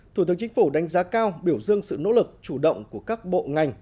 thủ tướng chính phủ đánh giá cao biểu dương sự nỗ lực chủ động của các bộ ngành